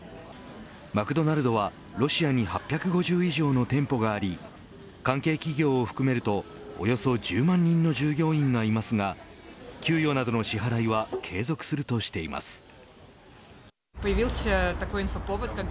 マクドナルドはロシアに８５０以上の店舗があり関係企業を含めるとおよそ１０万人の従業員がいますが給与などの支払いは継続するとしています。